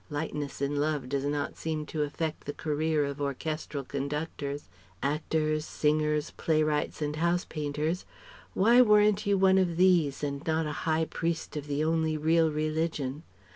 Lightness in love does not seem to affect the career of orchestral conductors, actors, singers, play wrights and house painters why weren't you one of these, and not a High Priest of the only real religion?